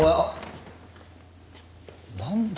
なんだ？